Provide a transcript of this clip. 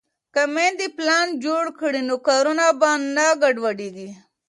که میندې پلان جوړ کړي نو کارونه به نه ګډوډېږي.